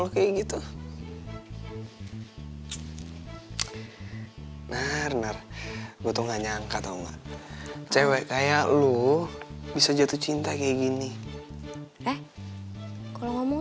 bener bener butuh nggak nyangka tahu cewek kayak lu bisa jatuh cinta kayak gini eh kalau ngomong